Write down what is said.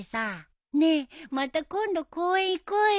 ねえまた今度公園行こうよ。